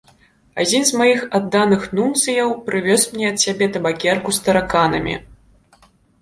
Адзін з маіх адданых нунцыяў прывёз мне ад цябе табакерку з тараканамі.